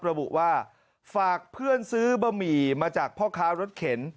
ระบุว่าฝากเพื่อนซื้อบะหมี่มาจากพ่อค้ารถเข็น